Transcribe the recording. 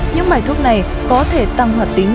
những loại thuốc này có thể tăng hoạt tính